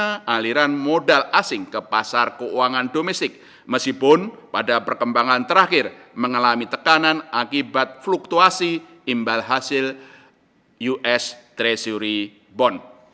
karena aliran modal asing ke pasar keuangan domestik meskipun pada perkembangan terakhir mengalami tekanan akibat fluktuasi imbal hasil us treasury bond